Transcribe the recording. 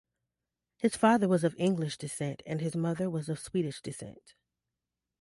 His father was of English descent and his mother was of Swedish descent.